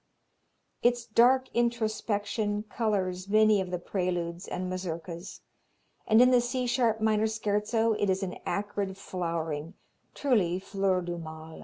Its dark introspection colors many of the preludes and mazurkas, and in the C sharp minor Scherzo it is in acrid flowering truly fleurs du mal.